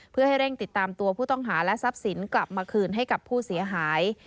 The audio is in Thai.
เพื่อให้เร่งติดตามตัวผู้ต้องหาและทรัพย์สินกลับมาคืนให้กับผู้เสียหาย